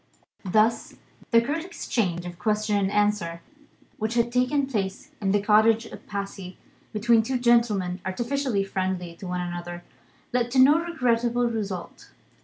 Thus, the curt exchange of question and answer, which had taken place in the cottage at Passy, between two gentlemen artificially friendly to one another, led to no regrettable result.